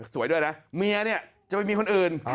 สวยด้วยนะเมียเนี่ยจะไปมีคนอื่น